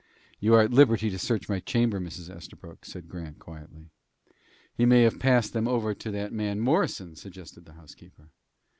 "You are at liberty to search my chamber, Mrs. Estabrook," said Grant, quietly. "He may have passed them over to that man Morrison," suggested the housekeeper.